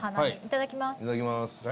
いただきます。